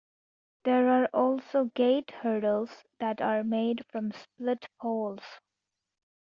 There are also 'gate hurdles' that are made from split poles.